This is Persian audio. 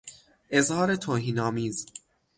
اظهار توهین آمیز